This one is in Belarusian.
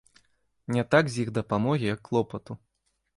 Не так з іх дапамогі, як клопату.